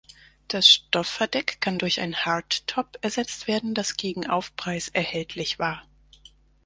Das Stoffverdeck kann durch ein Hardtop ersetzt werden, das gegen Aufpreis erhältlich war.